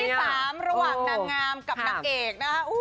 ที่๓ระหว่างนางงามกับนางเอกนะคะ